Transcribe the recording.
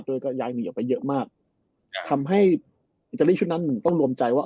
ก็ย้ายหนีออกไปเยอะมากทำให้อิตาลีชุดนั้นหนึ่งต้องรวมใจว่า